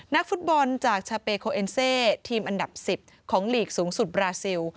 นักฟุตบอลจากชาเปโคเอ็นเซทีมอันดับ๑๐ของลีกสูงสุดบราซิล